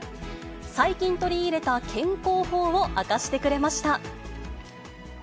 最近取り入れた健康法を明かしてくれました。